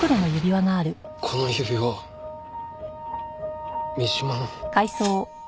この指輪三島の。